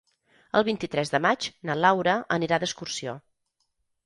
El vint-i-tres de maig na Laura anirà d'excursió.